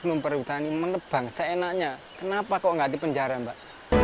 memperhutani mengebang seenaknya kenapa kok gak di penjara mbak